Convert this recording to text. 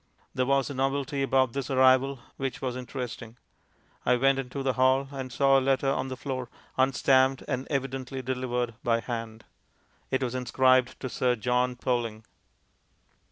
There was a novelty about this arrival which was interesting. I went into the hall, and saw a letter on the floor, unstamped and evidently delivered by hand. It was inscribed to Sir John Poling.